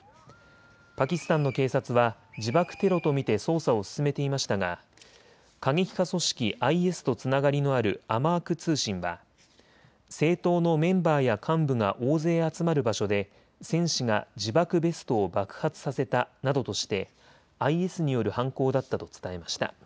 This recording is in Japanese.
パキスタンの警察は自爆テロと見て捜査を進めていましたが過激派組織ＩＳとつながりのあるアマーク通信は政党のメンバーや幹部が大勢集まる場所で戦士が自爆ベストを爆発させたなどとしてＩＳによる犯行だったと伝えました。